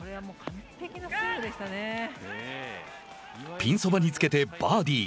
ピンそばにつけてバーディー。